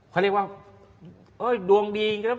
เขาเรียกว่าดวงดี